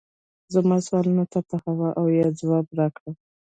زما سوالونو ته په هو او یا ځواب راکړه